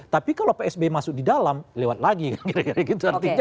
tapi kalau psb masuk di dalam lewat lagi kira kira gitu artinya